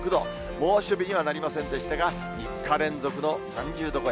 猛暑日にはなりませんでしたが、３日連続の３０度超え。